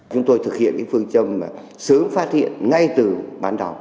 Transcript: chúng tôi thực hiện những phương châm sớm phát hiện ngay từ bắn đỏ